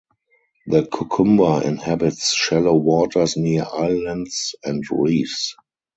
The cucumber inhabits shallow waters near islands and reefs.